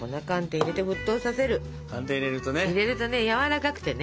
入れるとねやわらかくてね